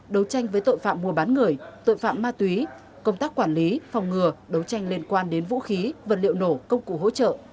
đấu tranh với tội phạm mua bán người tội phạm ma túy công tác quản lý phòng ngừa đấu tranh liên quan đến vũ khí vật liệu nổ công cụ hỗ trợ